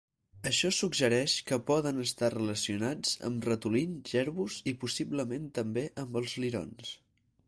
Això suggereix que poden estar relacionats amb ratolins, jerbus, i possiblement també amb els lirons.